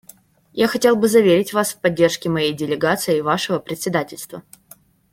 Я хотел бы заверить Вас в поддержке моей делегацией Вашего председательства.